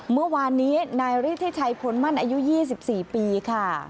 เมื่อวานนี้นายฤทธิชัยผลมั่นอายุยี่สิบสี่ปีค่ะ